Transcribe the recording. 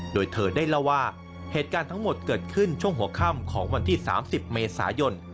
โดยเธอได้เล่าว่าเหตุการณ์ทั้งหมดเกิดขึ้นช่วงหัวค่ำของวันที่๓๐เมษายน